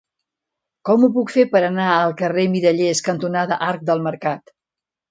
Com ho puc fer per anar al carrer Mirallers cantonada Arc del Mercat?